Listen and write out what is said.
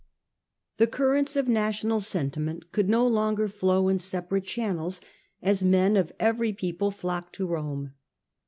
The currents of national sentiment could no longer flow in separate channels, as men of every people flocked . r to Rome.